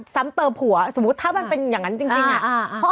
ซ้ำเติมผัวสมมุติถ้ามันเป็นอย่างนั้นจริงอ่ะ